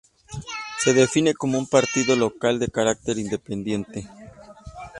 Se define como un partido local de carácter independiente.